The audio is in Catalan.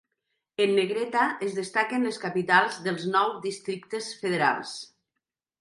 En negreta es destaquen les capitals dels nou Districtes Federals.